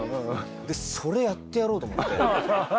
それやってやろうと思って。